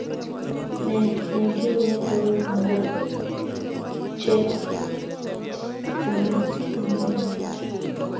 Ne nekinyo korok ngokchet anan mayaiyat